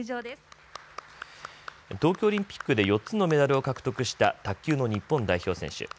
東京オリンピックで４つのメダルを獲得した卓球の日本代表選手。